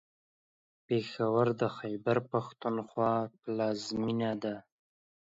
پېښور د خیبر پښتونخوا پلازمېنه ده.